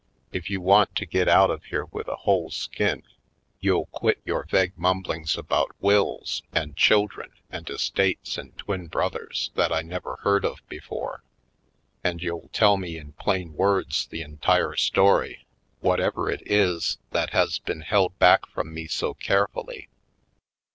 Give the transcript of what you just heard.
If you want to get out of here with a whole skin you'll quit your vague mumblings about w411s and children and estates and twin brothers that I never heard of before, and you'll tell me in plain words the entire story, whatever it 208 /. Poindexterj Colored is, that has been held back from me so care fully.